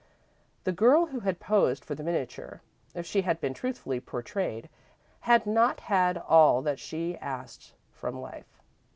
The girl who had posed for the miniature, if she had been truthfully portrayed, had not had all that she asked from life.